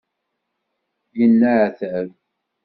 Yenneɛtab.